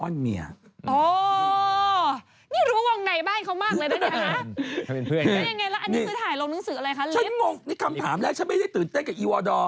นี่คำสามแรกฉันไม่ได้ตื่นตันกับอีวอด